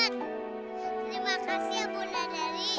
terima kasih ya bunadari